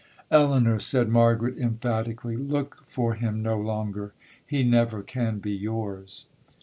'Elinor,' said Margaret emphatically, 'look for him no longer,—he never can be yours!'